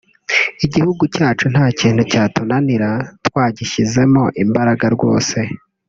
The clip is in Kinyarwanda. igihugu cyacu nta kintu cyatunanira twagishyizemo imbaraga rwose